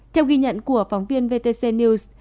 theo ghi nhận của phóng viên vtc news